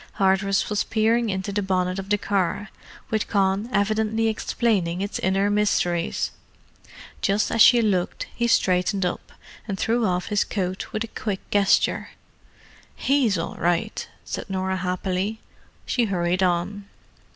Hardress was peering into the bonnet of the car, with Con evidently explaining its inner mysteries; just as she looked, he straightened up, and threw off his coat with a quick gesture. "He's all right," said Norah happily. She hurried on.